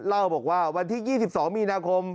เล่าบอกว่าวันที่๒๒มีนาคม